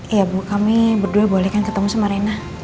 iya bu kami berdua boleh kan ketemu sama rena